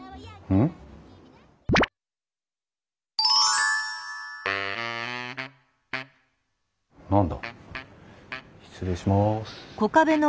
うん？何だ？